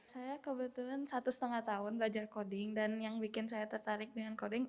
saya kebetulan satu setengah tahun belajar coding dan yang bikin saya tertarik dengan coding